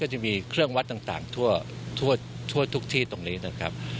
จะมีเครื่องวัดต่างทั่วทุกที่ตรงนี้นะครับ